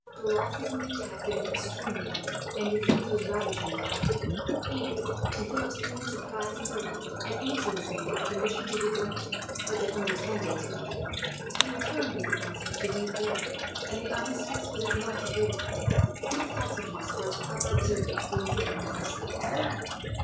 The losses in the attacks had been extremely heavy, and disease was raging in the army and, to Philip's inward surprise and delight, an answer was made that the conditions would be granted, but that only ten days would be given. He returned with the answer to De Piles, and the armistice was at once agreed upon, six hostages for its proper observance being given on both sides.